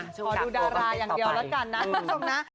ขอดูดาราอย่างเดียวแล้วกันนะ